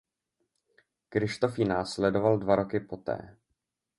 Kryštof ji následoval dva roky poté.